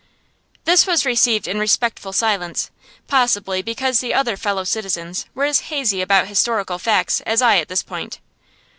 This was received in respectful silence, possibly because the other Fellow Citizens were as hazy about historical facts as I at this point.